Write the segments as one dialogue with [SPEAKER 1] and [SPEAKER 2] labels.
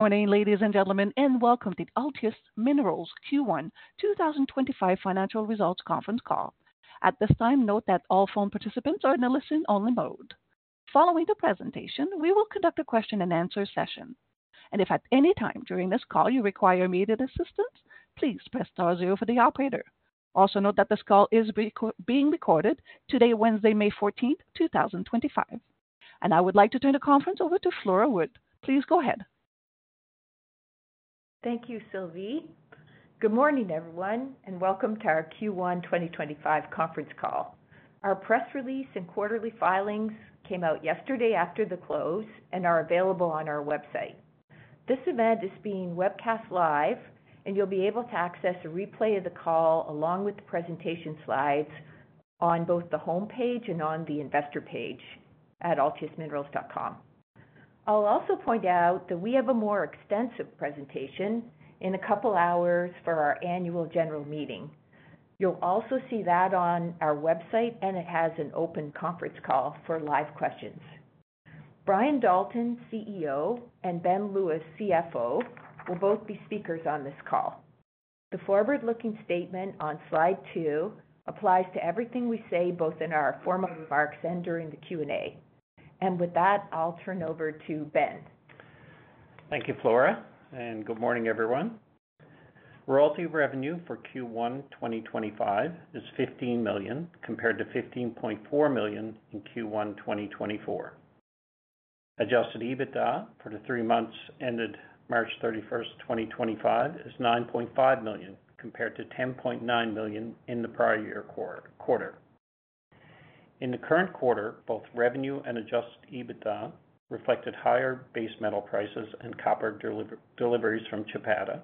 [SPEAKER 1] Morning, ladies and gentlemen, and welcome to Altius Minerals Q1 2025 financial results conference call. At this time, note that all phone participants are in a listen-only mode. Following the presentation, we will conduct a question-and-answer session, and if at any time during this call you require immediate assistance, please press star zero for the operator. Also note that this call is being recorded today, Wednesday, May 14, 2025. I would like to turn the conference over to Flora Wood. Please go ahead.
[SPEAKER 2] Thank you, Sylvie. Good morning, everyone, and welcome to our Q1 2025 conference call. Our press release and quarterly filings came out yesterday after the close and are available on our website. This event is being webcast live, and you'll be able to access a replay of the call along with the presentation slides on both the homepage and on the investor page at altiusminerals.com. I'll also point out that we have a more extensive presentation in a couple of hours for our annual general meeting. You'll also see that on our website, and it has an open conference call for live questions. Brian Dalton, CEO, and Ben Lewis, CFO, will both be speakers on this call. The forward-looking statement on slide two applies to everything we say both in our formal remarks and during the Q&A. With that, I'll turn over to Ben.
[SPEAKER 3] Thank you, Flora, and good morning, everyone. Royalty revenue for Q1 2025 is 15 million compared to 15.4 million in Q1 2024. Adjusted EBITDA for the three months ended March 31st, 2025, is 9.5 million compared to 10.9 million in the prior year quarter. In the current quarter, both revenue and adjusted EBITDA reflected higher base metal prices and copper deliveries from Chapada,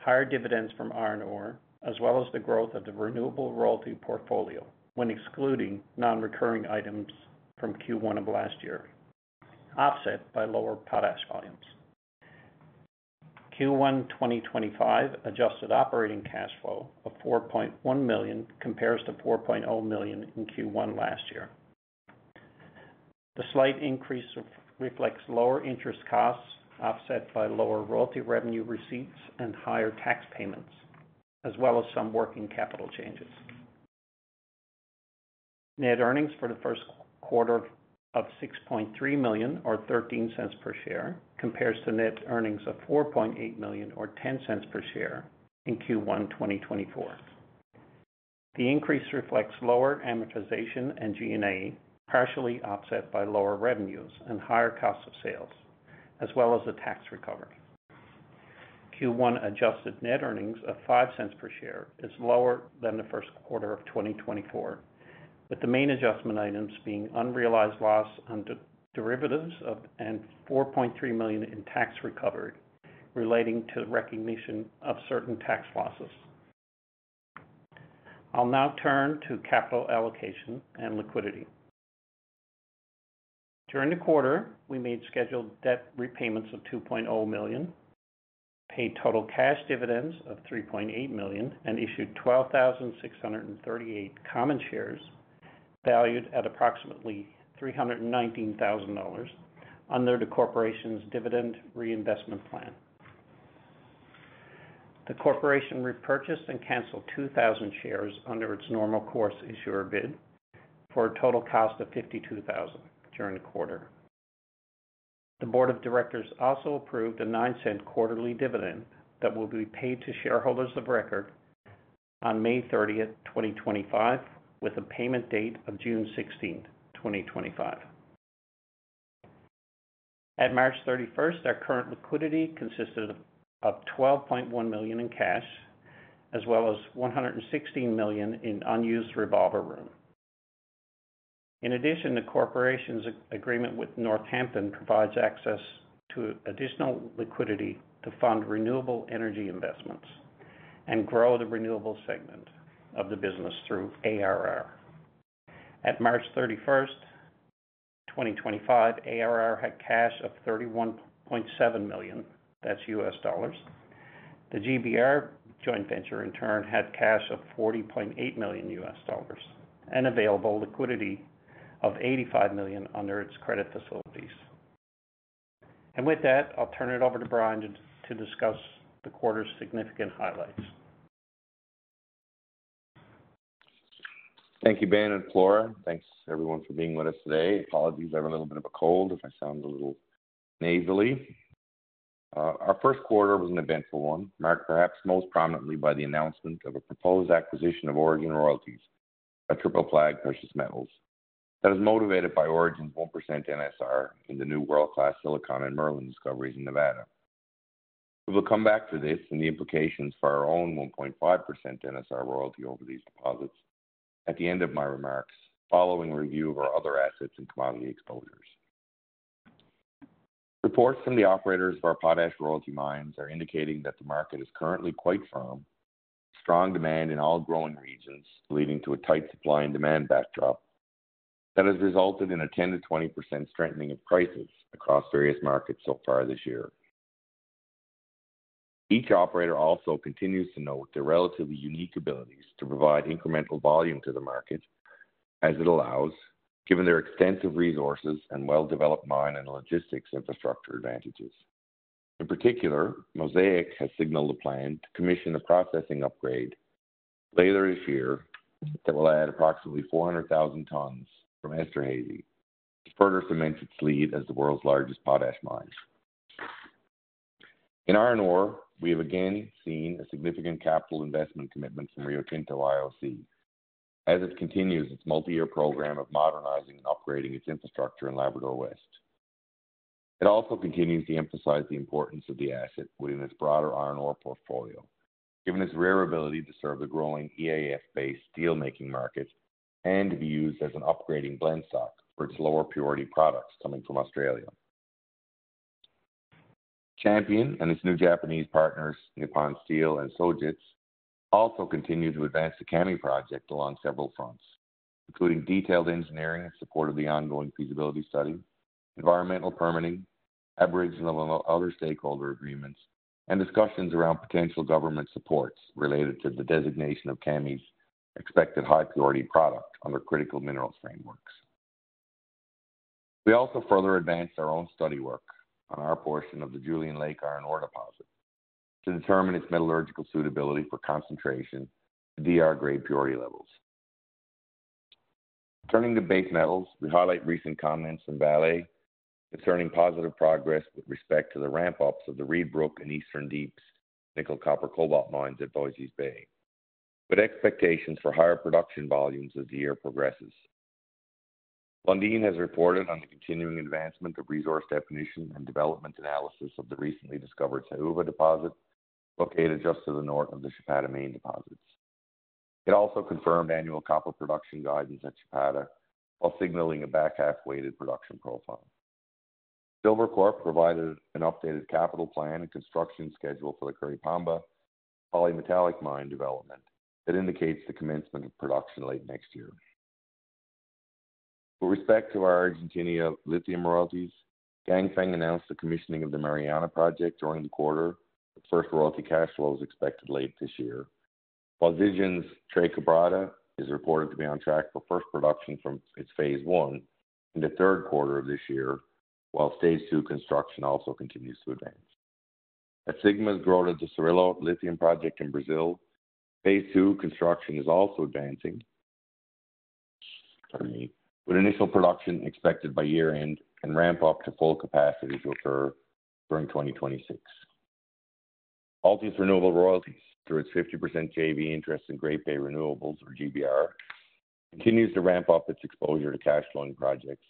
[SPEAKER 3] higher dividends from ARR, as well as the growth of the renewable royalty portfolio when excluding non-recurring items from Q1 of last year, offset by lower potash volumes. Q1 2025 adjusted operating cash flow of 4.1 million compares to 4.0 million in Q1 last year. The slight increase reflects lower interest costs offset by lower royalty revenue receipts and higher tax payments, as well as some working capital changes. Net earnings for the first quarter of $6.3 million or $0.13 per share compares to net earnings of $4.8 million or $0.10 per share in Q1 2024. The increase reflects lower amortization and G&A, partially offset by lower revenues and higher cost of sales, as well as a tax recovery. Q1 adjusted net earnings of $0.05 per share is lower than the first quarter of 2024, with the main adjustment items being unrealized loss and derivatives and $4.3 million in tax recovery relating to recognition of certain tax losses. I'll now turn to capital allocation and liquidity. During the quarter, we made scheduled debt repayments of $2.0 million, paid total cash dividends of $3.8 million, and issued 12,638 common shares valued at approximately $319,000 under the corporation's dividend reinvestment plan. The corporation repurchased and canceled 2,000 shares under its normal course issuer bid for a total cost of $52,000 during the quarter. The Board of Directors also approved a $0.09 quarterly dividend that will be paid to shareholders of record on May 30, 2025, with a payment date of June 16, 2025. At March 31st, our current liquidity consisted of 12.1 million in cash, as well as 116 million in unused revolver room. In addition, the corporation's agreement with Northampton provides access to additional liquidity to fund renewable energy investments and grow the renewable segment of the business through ARR. At March 31st, 2025, ARR had cash of $31.7 million, that's U.S. dollars. The GBR joint venture, in turn, had cash of $40.8 million U.S. dollars and available liquidity of $85 million under its credit facilities. With that, I'll turn it over to Brian to discuss the quarter's significant highlights.
[SPEAKER 4] Thank you, Ben and Flora. Thanks, everyone, for being with us today. Apologies, I have a little bit of a cold if I sound a little nasally. Our first quarter was an eventful one, marked perhaps most prominently by the announcement of a proposed acquisition of Orogen Royalties, a Triple Flag Precious Metals that is motivated by Orogen's 1% NSR in the new world-class Silicon and Merlin discoveries in Nevada. We will come back to this and the implications for our own 1.5% NSR royalty over these deposits at the end of my remarks following a review of our other assets and commodity exposures. Reports from the operators of our potash royalty mines are indicating that the market is currently quite firm, strong demand in all growing regions leading to a tight supply and demand backdrop that has resulted in a 10%-20% strengthening of prices across various markets so far this year. Each operator also continues to note their relatively unique abilities to provide incremental volume to the market as it allows, given their extensive resources and well-developed mine and logistics infrastructure advantages. In particular, Mosaic has signaled a plan to commission a processing upgrade later this year that will add approximately 400,000 tons from Esterhazy to further cement its lead as the world's largest potash mine. In R&R, we have again seen a significant capital investment commitment from Rio Tinto IOC as it continues its multi-year program of modernizing and upgrading its infrastructure in Labrador West. It also continues to emphasize the importance of the asset within its broader R&R portfolio, given its rare ability to serve the growing EAF-based steelmaking market and to be used as an upgrading blend stock for its lower-purity products coming from Australia. Champion and its new Japanese partners, Nippon Steel and Sojitz, also continue to advance the CAMI project along several fronts, including detailed engineering in support of the ongoing feasibility study, environmental permitting, abridging of other stakeholder agreements, and discussions around potential government supports related to the designation of CAMI's expected high-purity product under critical minerals frameworks. We also further advanced our own study work on our portion of the Julian Lake R&R deposit to determine its metallurgical suitability for concentration and DR-grade purity levels. Turning to base metals, we highlight recent comments from Vale concerning positive progress with respect to the ramp-ups of the Reid Brook and Eastern Deeps nickel-copper-cobalt mines at Voisey's Bay, with expectations for higher production volumes as the year progresses. Lundin has reported on the continuing advancement of resource definition and development analysis of the recently discovered Saúva deposit located just to the north of the Chapada main deposits. It also confirmed annual copper production guidance at Chapada while signaling a back-half-weighted production profile. Silvercorp Metals provided an updated capital plan and construction schedule for the Curipamba polymetallic mine development that indicates the commencement of production late next year. With respect to our Argentina lithium royalties, Ganfeng announced the commissioning of the Mariana project during the quarter. The first royalty cash flow is expected late this year, while Alpha Lithium's Tres Quebradas is reported to be on track for first production from its phase one in the third quarter of this year, while phase two construction also continues to advance. At Sigma Lithium's Grota do Cirilo lithium project in Brazil, phase two construction is also advancing, with initial production expected by year-end and ramp-up to full capacity to occur during 2026. Altius Renewable Royalties, through its 50% JV interest in Great Bay Renewables, or GBR, continues to ramp up its exposure to cash-flowing projects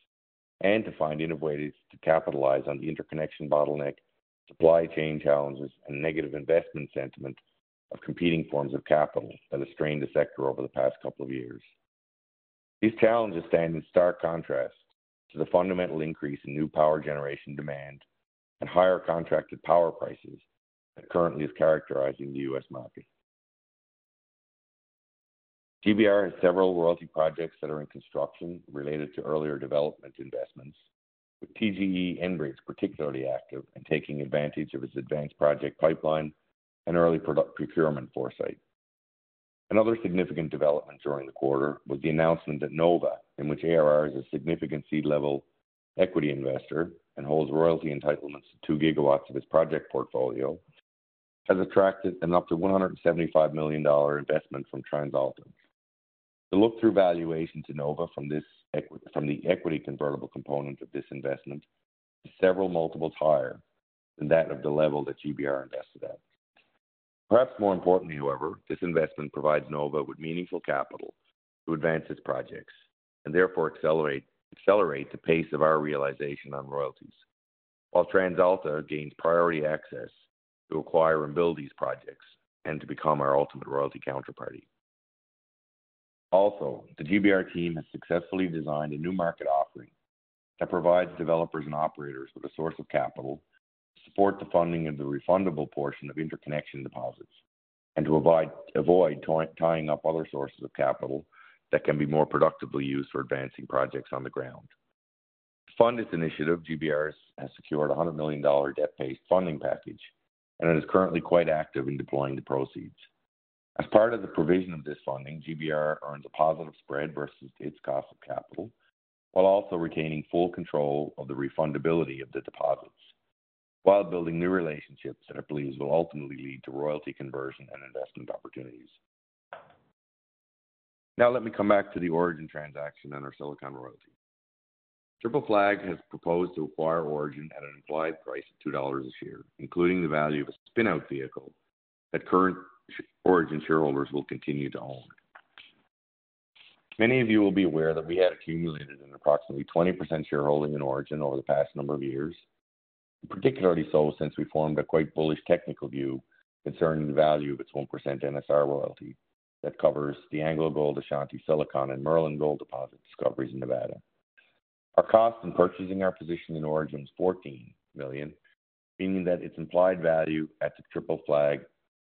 [SPEAKER 4] and to find innovations to capitalize on the interconnection bottleneck, supply chain challenges, and negative investment sentiment of competing forms of capital that have strained the sector over the past couple of years. These challenges stand in stark contrast to the fundamental increase in new power generation demand and higher contracted power prices that currently are characterizing the U.S. market. GBR has several royalty projects that are in construction related to earlier development investments, with TGE and Enbridge particularly active and taking advantage of its advanced project pipeline and early procurement foresight. Another significant development during the quarter was the announcement that Nova, in which ARR is a significant seed-level equity investor and holds royalty entitlements to 2 GW of its project portfolio, has attracted an up to $175 million investment from TransAlta. The look-through valuation to Nova from the equity convertible component of this investment is several multiples higher than that of the level that GBR invested at. Perhaps more importantly, however, this investment provides Nova with meaningful capital to advance its projects and therefore accelerate the pace of our realization on royalties, while TransAlta gains priority access to acquire and build these projects and to become our ultimate royalty counterparty. Also, the GBR team has successfully designed a new market offering that provides developers and operators with a source of capital to support the funding of the refundable portion of interconnection deposits and to avoid tying up other sources of capital that can be more productively used for advancing projects on the ground. To fund this initiative, GBR has secured a $100 million debt-based funding package and is currently quite active in deploying the proceeds. As part of the provision of this funding, GBR earns a positive spread versus its cost of capital while also retaining full control of the refundability of the deposits while building new relationships that it believes will ultimately lead to royalty conversion and investment opportunities. Now, let me come back to the Orogen transaction and our Silicon royalty. Triple Flag has proposed to acquire Orogen at an implied price of $2 a share, including the value of a spinout vehicle that current Orogen shareholders will continue to own. Many of you will be aware that we had accumulated an approximately 20% shareholding in Orogen over the past number of years, particularly so since we formed a quite bullish technical view concerning the value of its 1% NSR royalty that covers the AngloGold Ashanti Silicon and Merlin gold deposit discoveries in Nevada. Our cost in purchasing our position in Orogen was $14 million, meaning that its implied value at the Triple Flag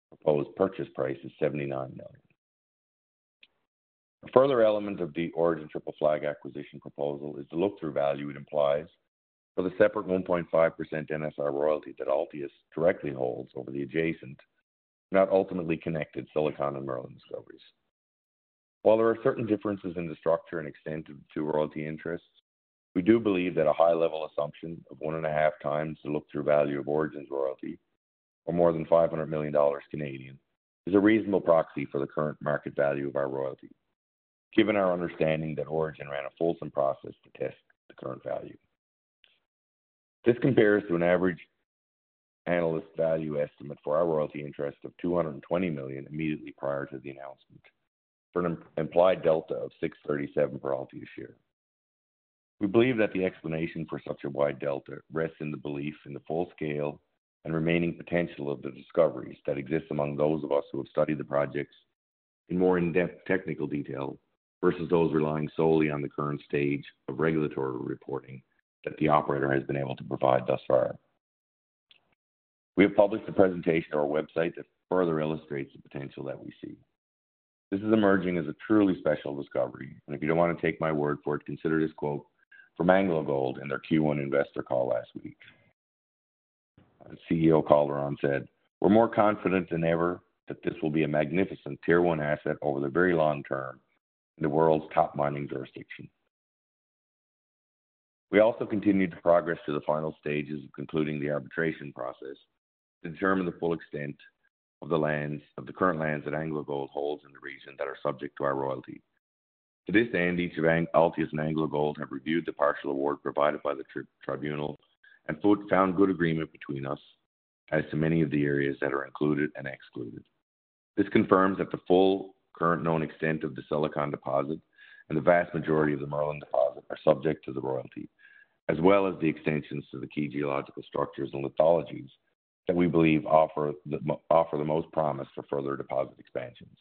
[SPEAKER 4] proposed purchase price is $79 million. A further element of the Orogen Triple Flag acquisition proposal is the look-through value it implies for the separate 1.5% NSR royalty that Altius directly holds over the adjacent, not ultimately connected Silicon and Merlin discoveries. While there are certain differences in the structure and extent of the two royalty interests, we do believe that a high-level assumption of one and a half times the look-through value of Orogen's royalty, or more than 500 million Canadian dollars, is a reasonable proxy for the current market value of our royalty, given our understanding that Orogen ran a fulsome process to test the current value. This compares to an average analyst value estimate for our royalty interest of $220 million immediately prior to the announcement for an implied delta of $637 per Altius share. We believe that the explanation for such a wide delta rests in the belief in the full scale and remaining potential of the discoveries that exist among those of us who have studied the projects in more in-depth technical detail versus those relying solely on the current stage of regulatory reporting that the operator has been able to provide thus far. We have published a presentation on our website that further illustrates the potential that we see. This is emerging as a truly special discovery, and if you do not want to take my word for it, consider this quote from AngloGold in their Q1 investor call last week. CEO Calderon said, "We're more confident than ever that this will be a magnificent tier-one asset over the very long term in the world's top mining jurisdiction." We also continue to progress to the final stages of concluding the arbitration process to determine the full extent of the lands of the current lands that AngloGold holds in the region that are subject to our royalty. To this end, each of Altius and AngloGold have reviewed the partial award provided by the tribunal and found good agreement between us as to many of the areas that are included and excluded. This confirms that the full current known extent of the Silicon deposit and the vast majority of the Merlin deposit are subject to the royalty, as well as the extensions to the key geological structures and lithologies that we believe offer the most promise for further deposit expansions.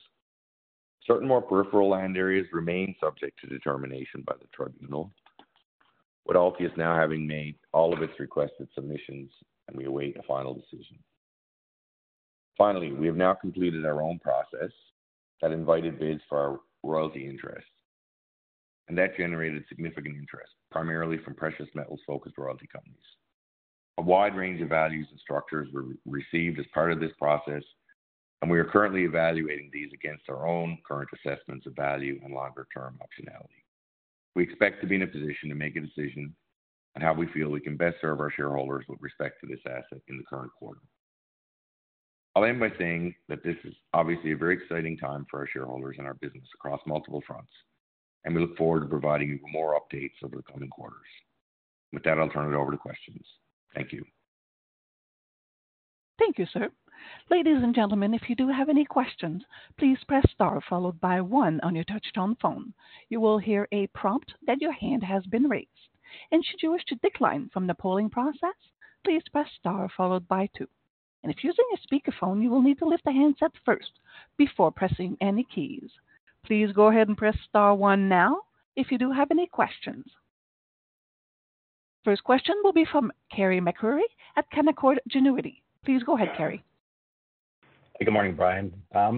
[SPEAKER 4] Certain more peripheral land areas remain subject to determination by the tribunal, with Altius now having made all of its requested submissions, and we await a final decision. Finally, we have now completed our own process that invited bids for our royalty interest, and that generated significant interest, primarily from precious metals-focused royalty companies. A wide range of values and structures were received as part of this process, and we are currently evaluating these against our own current assessments of value and longer-term optionality. We expect to be in a position to make a decision on how we feel we can best serve our shareholders with respect to this asset in the current quarter. I'll end by saying that this is obviously a very exciting time for our shareholders and our business across multiple fronts, and we look forward to providing you with more updates over the coming quarters. With that, I'll turn it over to questions. Thank you.
[SPEAKER 1] Thank you, sir. Ladies and gentlemen, if you do have any questions, please press star followed by one on your touch-tone phone. You will hear a prompt that your hand has been raised. Should you wish to decline from the polling process, please press star followed by two. If using a speakerphone, you will need to lift the handset first before pressing any keys. Please go ahead and press star one now if you do have any questions. First question will be from Carey MacRury at Canaccord Genuity. Please go ahead, Carey.
[SPEAKER 5] Good morning, Brian.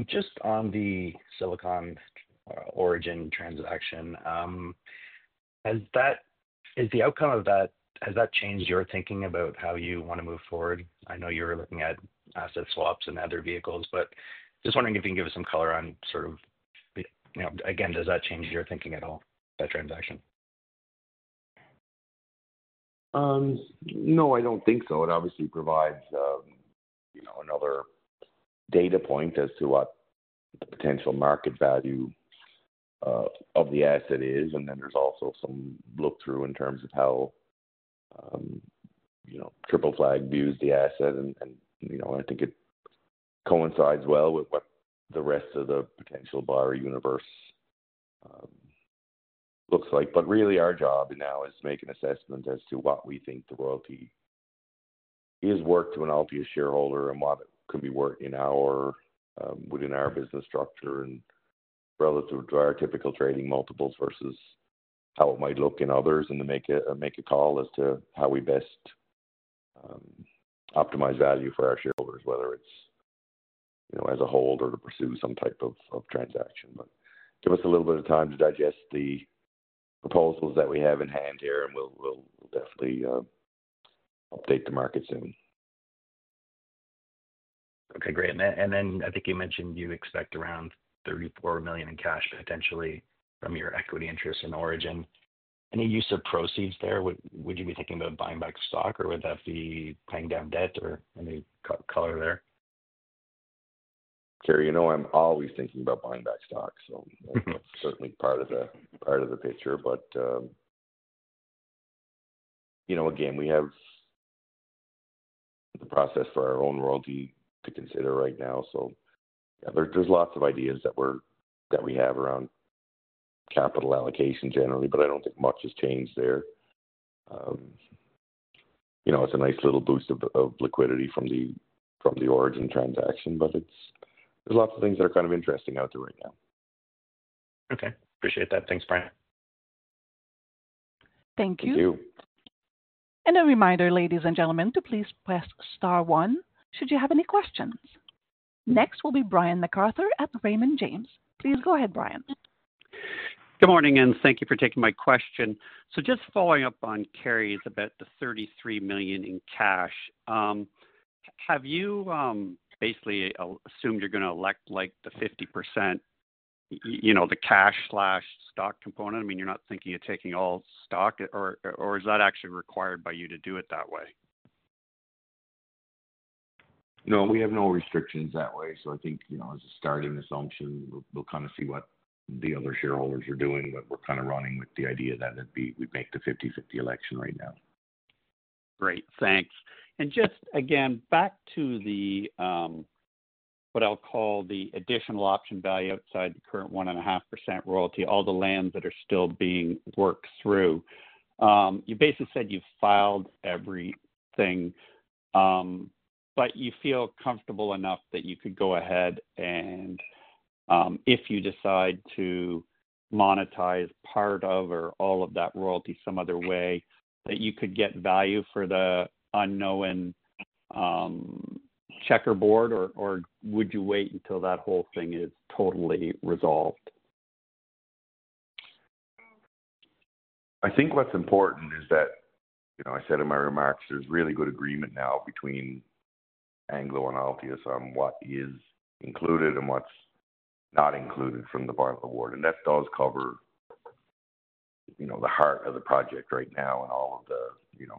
[SPEAKER 5] Just on the Silicon Orogen transaction, has the outcome of that, has that changed your thinking about how you want to move forward? I know you were looking at asset swaps and other vehicles, but just wondering if you can give us some color on sort of, again, does that change your thinking at all, that transaction?
[SPEAKER 4] No, I don't think so. It obviously provides another data point as to what the potential market value of the asset is. There is also some look-through in terms of how Triple Flag views the asset. I think it coincides well with what the rest of the potential buyer universe looks like. Really, our job now is to make an assessment as to what we think the royalty is worth to an Altius shareholder and what it could be worth within our business structure and relative to our typical trading multiples versus how it might look in others. We need to make a call as to how we best optimize value for our shareholders, whether it's as a hold or to pursue some type of transaction. Give us a little bit of time to digest the proposals that we have in hand here, and we'll definitely update the market soon.
[SPEAKER 5] Okay. Great. I think you mentioned you expect around $34 million in cash potentially from your equity interest in Orogen. Any use of proceeds there? Would you be thinking about buying back stock, or would that be paying down debt or any color there?
[SPEAKER 4] Carrie, you know I'm always thinking about buying back stock, so that's certainly part of the picture. Again, we have the process for our own royalty to consider right now. There are lots of ideas that we have around capital allocation generally, but I don't think much has changed there. It's a nice little boost of liquidity from the Orogen transaction, but there are lots of things that are kind of interesting out there right now.
[SPEAKER 5] Okay. Appreciate that. Thanks, Brian.
[SPEAKER 1] Thank you.
[SPEAKER 4] Thank you.
[SPEAKER 1] A reminder, ladies and gentlemen, to please press star one should you have any questions. Next will be Brian McArthur at Raymond James. Please go ahead, Brian.
[SPEAKER 6] Good morning, and thank you for taking my question. Just following up on Carey about the $33 million in cash, have you basically assumed you're going to elect the 50%, the cash/stock component? I mean, you're not thinking of taking all stock, or is that actually required by you to do it that way?
[SPEAKER 4] No, we have no restrictions that way. I think as a starting assumption, we'll kind of see what the other shareholders are doing, but we're kind of running with the idea that we'd make the 50/50 election right now.
[SPEAKER 6] Great. Thanks. Just again, back to what I'll call the additional option value outside the current 1.5% royalty, all the lands that are still being worked through. You basically said you've filed everything, but you feel comfortable enough that you could go ahead and, if you decide to monetize part of or all of that royalty some other way, that you could get value for the unknown checkerboard, or would you wait until that whole thing is totally resolved?
[SPEAKER 4] I think what's important is that I said in my remarks, there's really good agreement now between Anglo and Altius on what is included and what's not included from the partial award. That does cover the heart of the project right now and all of the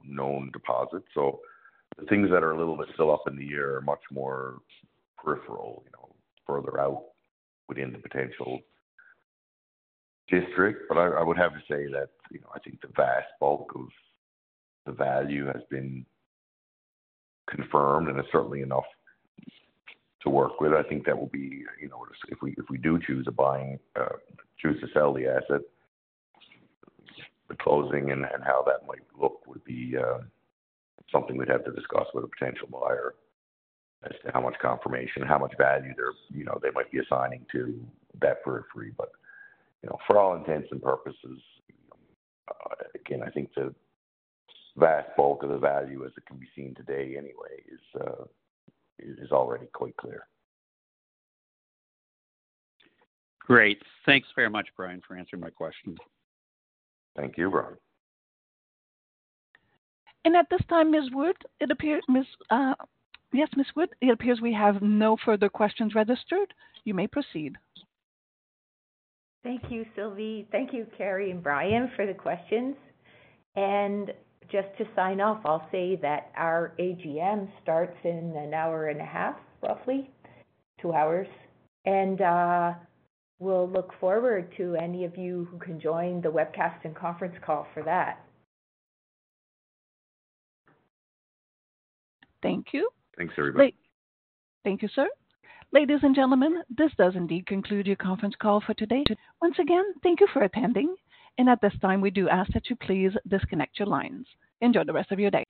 [SPEAKER 4] known deposits. The things that are a little bit still up in the air are much more peripheral, further out within the potential district. I would have to say that I think the vast bulk of the value has been confirmed, and it's certainly enough to work with. I think that will be if we do choose to sell the asset, the closing and how that might look would be something we'd have to discuss with a potential buyer as to how much confirmation, how much value they might be assigning to that periphery. For all intents and purposes, again, I think the vast bulk of the value, as it can be seen today anyway, is already quite clear.
[SPEAKER 6] Great. Thanks very much, Brian, for answering my questions.
[SPEAKER 4] Thank you, Brian.
[SPEAKER 1] At this time, Ms. Wood, it appears—yes, Ms. Wood, it appears we have no further questions registered. You may proceed.
[SPEAKER 2] Thank you, Sylvie. Thank you, Carey and Brian, for the questions. Just to sign off, I'll say that our AGM starts in an hour and a half, roughly two hours. We'll look forward to any of you who can join the webcast and conference call for that.
[SPEAKER 1] Thank you.
[SPEAKER 4] Thanks, everybody.
[SPEAKER 1] Thank you, sir. Ladies and gentlemen, this does indeed conclude your conference call for today. Once again, thank you for attending. At this time, we do ask that you please disconnect your lines. Enjoy the rest of your day.